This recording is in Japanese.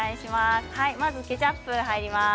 まずケチャップ入ります。